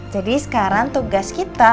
jadi sekarang tugas kita